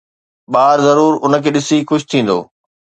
ٻار ضرور ان کي ڏسي خوش ٿيندو